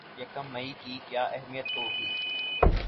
یکم مئی کی کیا اہمیت ہوگی